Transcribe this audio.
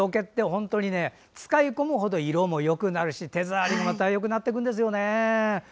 本当に使い込むほど色もよくなるし手触りもよくなってくるんですよね。